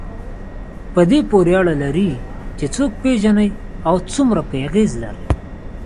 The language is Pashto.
په دې پورې اړه لري چې څوک پېژنئ او څومره پرې اغېز لرئ.